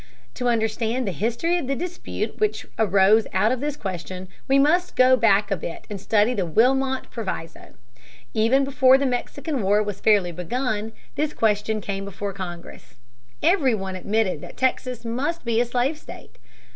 To understand the history of the dispute which arose out of this question we must go back a bit and study the Wilmot Proviso. Even before the Mexican War was fairly begun, this question came before Congress. Every one admitted that Texas must be a slave state.